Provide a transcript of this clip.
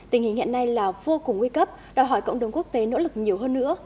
tình hình hiện nay là vô cùng nguy cấp đòi hỏi cộng đồng quốc tế nỗ lực nhiều hơn nữa